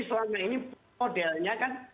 selama ini modelnya kan